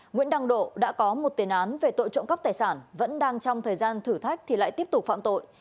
nguyễn đăng độ đã có một tiền án về tội trộm cắp tài sản vẫn đang trong thời gian thử thách thì lại tiếp tục phạm tội